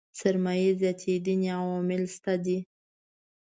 سرمايې زياتېدنې عوامل شته دي.